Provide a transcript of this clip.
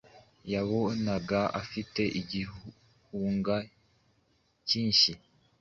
wabonaga afite igihunga cyinshi